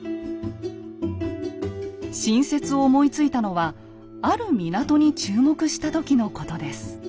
新説を思いついたのはある港に注目した時のことです。